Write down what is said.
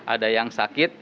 ada yang sakit